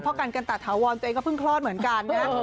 กันกันตะถาวรตัวเองก็เพิ่งคลอดเหมือนกันนะฮะ